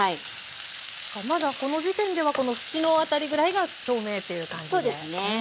まだこの時点ではこの縁の辺りぐらいが透明っていう感じで。